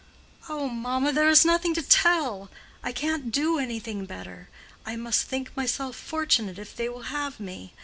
"Oh, mamma, there is nothing to tell. I can't do anything better. I must think myself fortunate if they will have me.